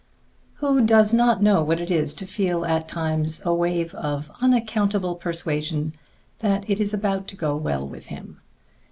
Who does not know what it is to feel at times a wave of unaccountable persuasion that it is about to go well with him?